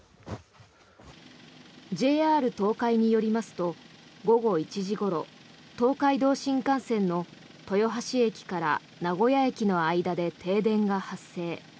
ＪＲ東海によりますと午後１時ごろ東海道新幹線の豊橋駅から名古屋駅の間で停電が発生。